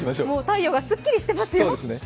もう太陽がすっきりしてますよ。